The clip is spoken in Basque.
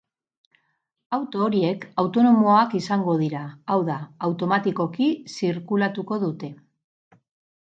Auto horiek autonomoak izango dira, hau da, automatikoki zirkulatuko dute.